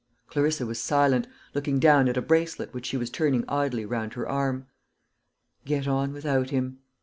Clarissa was silent, looking down at a bracelet which she was turning idly round her arm. Get on without him!